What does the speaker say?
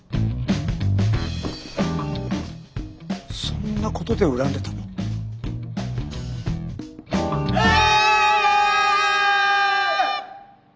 そんなことで恨んでたの？え！？